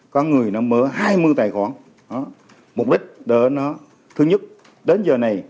có người nó mở hai mươi tài khoản mục đích để nó thứ nhất đến giờ này